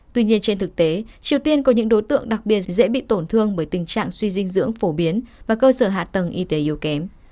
tuy nhiên trên thực tế triều tiên có những đối tượng đặc biệt dễ bị tổn thương bởi tình trạng suy dinh dưỡng phổ biến và cơ sở hạ tầng y tế yếu kém